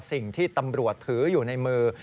สิ่งที่ตำรวจถืออยู่ในมือ